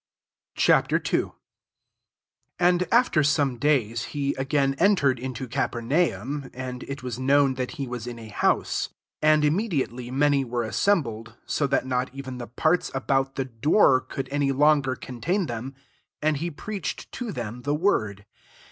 Ch. II. 1 And after some days, he again entered into Ca pernaum ; and it was known that he was in a house. 2 And immediately, many were as sembled ; so that not even the parts about the door could any longer contain them: and he preached to them the word.